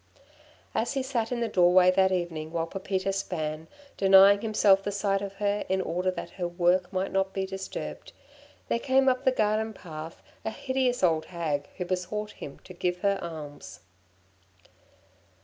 As he sat in the doorway that evening while Pepita span, denying himself the sight of her in order that her work might not be disturbed, there came up the garden path a hideous old hag, who besought him to give her alms.